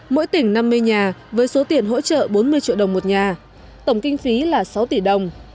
mỗi tỉnh năm mươi nhà với số tiền hỗ trợ bốn mươi triệu đồng một nhà tổng kinh phí là sáu tỷ đồng